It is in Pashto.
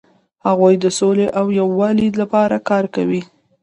هغوی د سولې او یووالي لپاره کار کاوه.